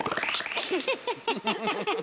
フフフフッ。